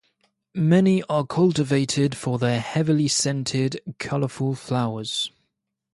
Many are cultivated for their heavily scented, colorful flowers.